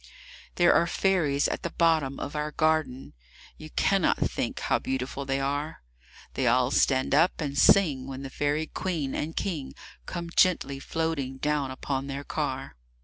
There are fairies at the bottom of our garden! You cannot think how beautiful they are; They all stand up and sing when the Fairy Queen and King Come gently floating down upon their car.